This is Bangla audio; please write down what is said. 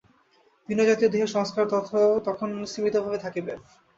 ভিন্ন জাতীয় দেহের সংস্কার তখন স্তিমিতভাবে থাকিবে।